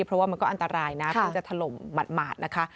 เพราะว่ามันก็อันตรายนะเพิ่งจะถล่มหมาดนะคะ